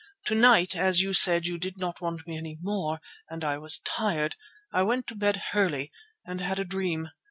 To night as you said you did not want me any more and I was tired, I went to bed early and had a dream.